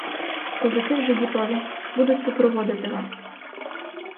Козаки вже готові, будуть супроводити вас.